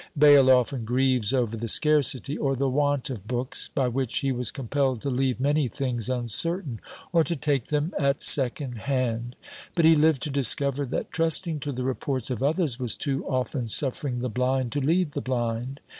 Bayle often grieves over the scarcity, or the want of books, by which he was compelled to leave many things uncertain, or to take them at second hand; but he lived to discover that trusting to the reports of others was too often suffering the blind to lead the blind.